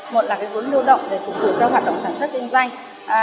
một là cái vốn lưu động để phục vụ cho hoạt động sản xuất kinh doanh